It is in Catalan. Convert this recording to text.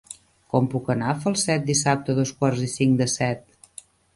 Com puc anar a Falset dissabte a dos quarts i cinc de set?